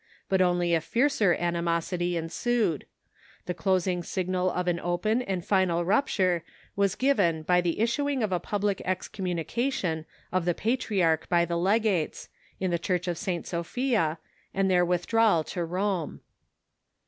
But only a fiercer animosity ensued. The clos ing signal of an open and final rupture was given by the issuing of a public excommunication of the patriarch by the legates, in the Church of St. Sophia, and their withdrawal to Rome.